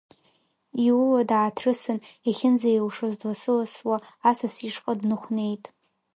Иула дааҭрысын, иахьынӡаилшоз дласы-ласуа Асас ишҟа дныхәнеит.